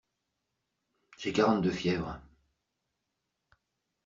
J'ai quarante de fièvre.